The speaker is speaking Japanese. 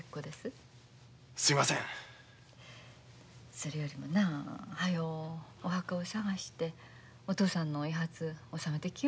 それよりもなはよお墓を探してお父さんのお遺髪納めてきよし。